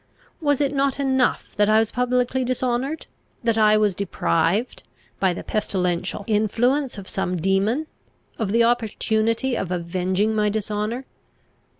Was it not enough that I was publicly dishonoured? that I was deprived, by the pestilential influence of some demon, of the opportunity of avenging my dishonour?